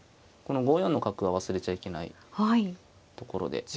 この５四の角は忘れちゃいけないところで。